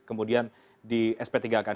kemudian di sp tiga kan